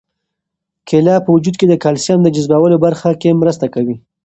کیله په وجود کې د کلسیم د جذبولو په برخه کې مرسته کوي.